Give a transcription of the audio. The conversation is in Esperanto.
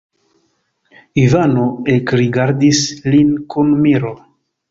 Ivano ekrigardis lin kun miro.